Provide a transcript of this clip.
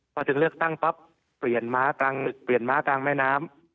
พอถึงเลือกตั้งปั๊บเปลี่ยนม้าเปลี่ยนม้ากลางแม่น้ำ